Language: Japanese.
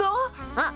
あっ